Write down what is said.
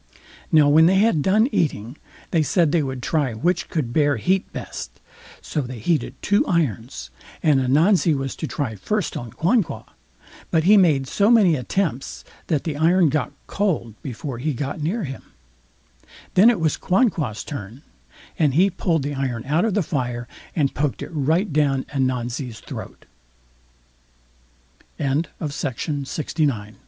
Now, when they had done eating, they said they would try which could bear heat best, so they heated two irons, and Ananzi was to try first on Quanqua, but he made so many attempts, that the iron got cold before he got near him; then it was Quanqua's turn, and he pulled the iron out of the fire, and poked it right down Ananzi's thr